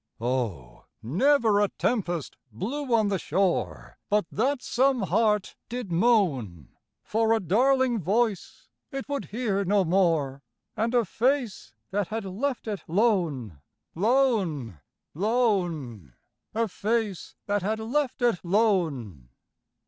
Oh! never a tempest blew on the shore But that some heart did moan For a darling voice it would hear no more And a face that had left it lone, lone, lone A face that had left it lone!